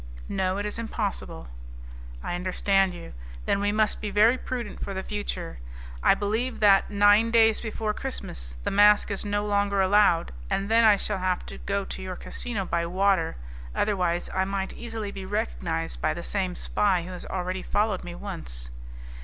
"No, it is impossible." "I understand you. Then we must be very prudent for the future. I believe that, nine days before Christmas, the mask is no longer allowed, and then I shall have to go to your casino by water, otherwise, I might easily be recognized by the same spy who has already followed me once."